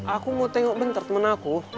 aku mau tengok bentar temen aku